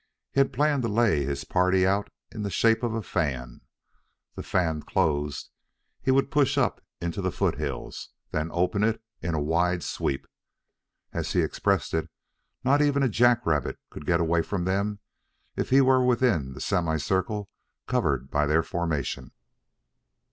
He had planned to lay his party out in the shape of a fan. The fan closed, he would push up into the foothills, then open it in a wide sweep. As he expressed it, "not even a jack rabbit could get away from them if he were within the semicircle covered by their formation."